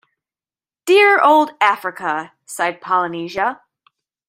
“Dear old Africa!” sighed Polynesia.